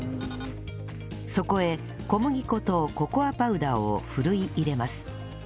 そこへ小麦粉とココアパウダーをふるい入れます